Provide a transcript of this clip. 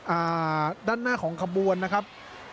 อ่าด้านหน้าของขบวนนะครับ